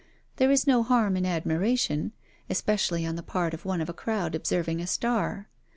There is no harm in admiration, especially on the part of one of a crowd observing a star.